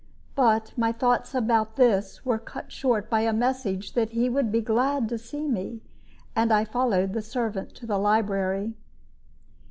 But my thoughts about this were cut short by a message that he would be glad to see me, and I followed the servant to the library.